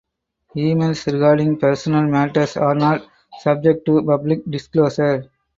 Emails regarding personal matters are not subject to public disclosure.